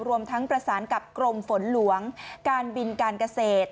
รวมทั้งประสานกับกรมฝนหลวงการบินการเกษตร